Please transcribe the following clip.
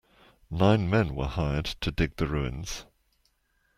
Nine men were hired to dig the ruins.